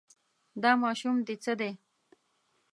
دا ماشوم دې څه دی.